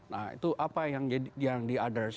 nah itu apa yang diadres